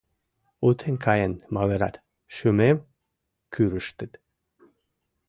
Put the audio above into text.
Утен каен магырат, шӱмем кӱрыштыт...